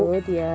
ya cabut ya